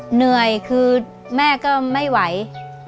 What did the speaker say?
เหนื่อยคือแม่ก็ไม่ไหว